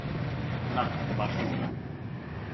না, বাসো না।